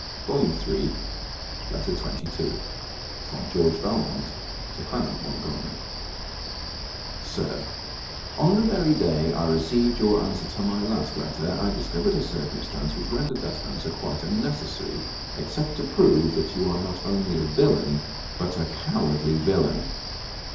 CAROLINE ASHBURN LETTER XXII FROM GEORGE VALMONT TO CLEMENT MONTGOMERY Sir, On the very day I received your answer to my last letter, I discovered a circumstance which rendered that answer quite unnecessary, except to prove that you are not only a villain but a cowardly villain.